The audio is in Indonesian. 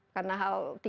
karena tiga hal ini